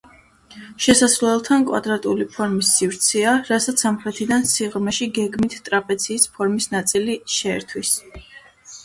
შესასვლელთან კვადრატული ფორმის სივრცეა, რასაც სამხრეთიდან, სიღრმეში, გეგმით ტრაპეციის ფორმის ნაწილი შეერთვის.